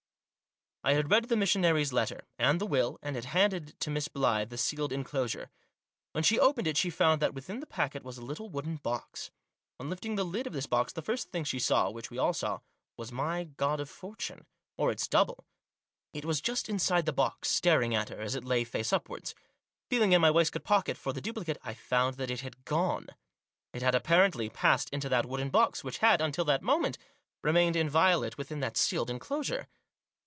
I had read the missionary's letter, and the will, and had handed to Miss Blyth the sealed enclosure. When she opened it she found that within the packet was a little wooden box. On lifting the lid of this box, the first thing she saw — which we all saw — was my God of Fortune, or its double. It was just inside the box, staring at her, as it lay face upwards. Feel ing in my waistcoat pocket for the duplicate, I found that it had gone. It had, apparently, passed into that wooden box, which had, until that moment, remained Digitized by 186 THE JOSS. inviolate within that sealed enclosure.